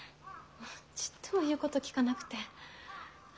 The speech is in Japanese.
ちっとも言うこと聞かなくて。